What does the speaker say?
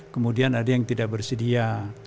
kemudian ada yang tidak bersedia